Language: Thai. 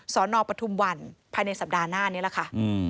สนปทุมวันภายในสัปดาห์หน้านี้แหละค่ะ